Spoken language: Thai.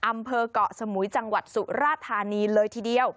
อำเภอกเกาะสมุยจังหวัดสุราธานีเลยทีเดียว